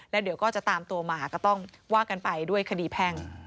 แล้วเดี๋ยวก็จะตามตัวมาก็ต้องว่ากันไปด้วยคดีแพ่ง